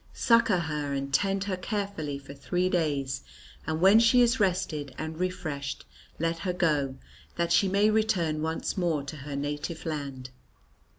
Succour her and tend her carefully for three days, and when she is rested and refreshed let her go, that she may return once more to her native land."